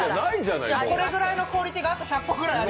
これぐらいのクオリティーがあと１００個ぐらいある。